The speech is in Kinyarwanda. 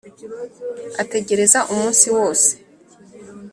ategereza umunsi wose